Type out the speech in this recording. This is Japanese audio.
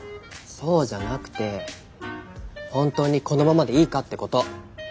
そうじゃなくてほんとにこのままでいいかってこと。